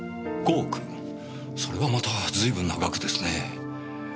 それはまた随分な額ですねえ。